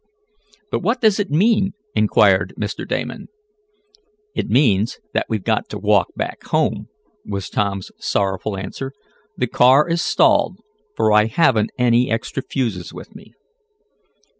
"But what does it mean?" inquired Mr. Damon. "It means that we've got to walk back home," was Tom's sorrowful answer. "The car is stalled, for I haven't any extra fuses with me."